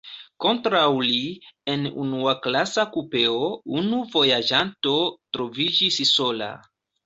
Kontraŭ li, en unuaklasa kupeo, unu vojaĝanto troviĝis sola.